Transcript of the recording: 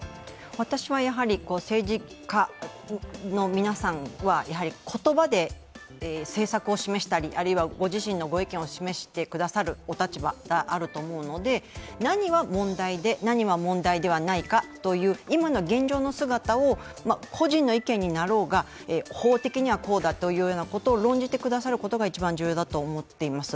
私はやはり政治家の皆さんは言葉で政策を示したり、あるいはご自身のご意見を示してくださるお立場があると思うので何が問題で、何が問題ではないかということ今の現状の姿を個人の意見になろうが、法的にはこうだということを論じてくださることが一番重要だと思っています。